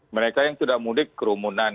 mereka yang tidak mudik kerumunan